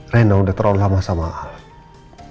rena udah terlalu lama sama art